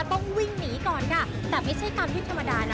ต้องวิ่งหนีก่อนค่ะแต่ไม่ใช่การวิ่งธรรมดานะ